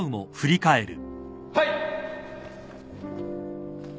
はい